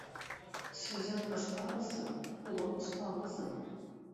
Сүзең кыска булсын, кулың оста булсын!